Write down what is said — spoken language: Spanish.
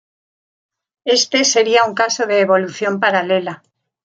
Este sería un caso de evolución paralela.